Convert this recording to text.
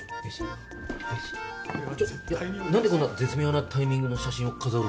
ちょっ何でこんな絶妙なタイミングの写真を飾るの？